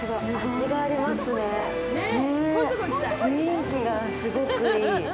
雰囲気がすごくいい。